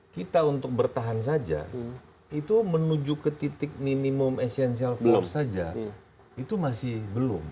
kita untuk bertahan saja itu menuju ke titik minimum essential flow saja itu masih belum